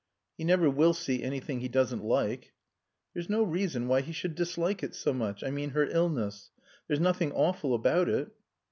"He never will see anything he doesn't like." "There's no reason why he should dislike it so much I mean her illness. There's nothing awful about it."